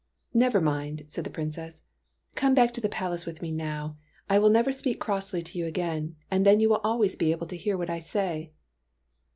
" Never mind !" said the Princess. '' Come back to the palace with me now ; I will never speak crossly to you again, and then you will always be able to hear what I say."